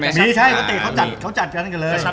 หรือตื่นทุกคนที่มีชามพยพ